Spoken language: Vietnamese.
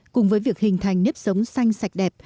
cùng với việc hình thành nếp sống xanh sạch đẹp